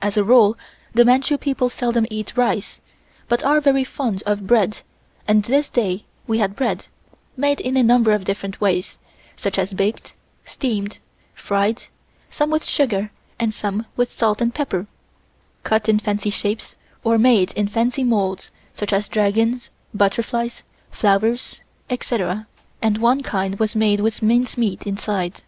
As a rule the Manchu people seldom eat rice, but are very fond of bread and this day we had bread, made in a number of different ways, such as baked, steamed, fried, some with sugar and some with salt and pepper, cut in fancy shapes or made in fancy moulds such as dragons, butterflies, flowers, etc., and one kind was made with mincemeat inside.